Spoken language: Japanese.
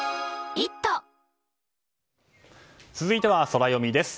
続いてはソラよみです。